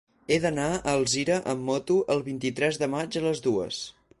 He d'anar a Alzira amb moto el vint-i-tres de maig a les dues.